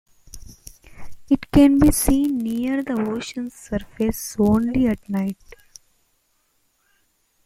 It can be seen near the ocean's surface only at night.